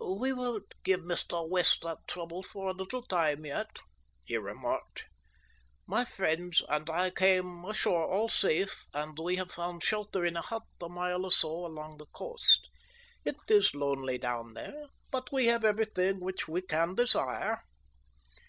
"We won't give Mr. West that trouble for a little time yet," he remarked; "my friends and I came ashore all safe, and we have found shelter in a hut a mile or so along the coast. It is lonely down there, but we have everything which we can desire."